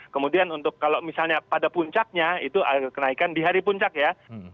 kemudian untuk kalau misalnya pada puncaknya itu ada kenaikan di hari puncak ya